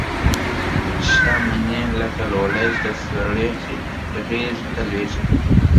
شته مني لکه لولۍ چي د سړي غیږي ته لویږي